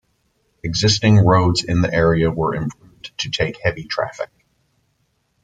Existing roads in the area were improved to take heavy traffic.